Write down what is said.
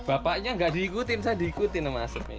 bapaknya nggak diikutin saya diikutin sama asapnya ini